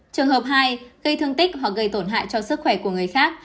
trường hợp hai gây thương tích hoặc gây tổn hại cho sức khỏe của người khác